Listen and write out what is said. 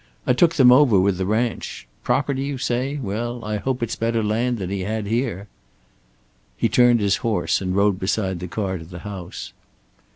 I took them over with the ranch. Property, you say? Well, I hope it's better land than he had here." He turned his horse and rode beside the car to the house.